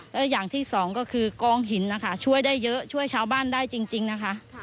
และอย่างที่สองก็คือกองหินนะคะช่วยได้เยอะช่วยชาวบ้านได้จริงนะคะ